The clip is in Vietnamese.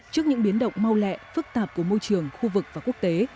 trước những biến động mau lẹ phức tạp của môi trường khu vực và quốc tế